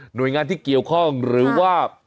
โดยงานที่เกี่ยวข้องหรือว่า